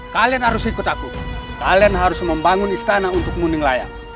kalian harus ikut aku kalian harus membangun istana untuk muning layak